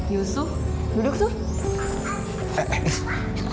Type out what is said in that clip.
yusuf duduk su